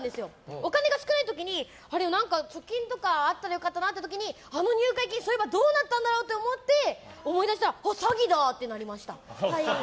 お金が少ない時に貯金とかあったら良かったなって思った時にあの入会金、そういえばどうなったんだろうって思い出したら詐欺だってなりました。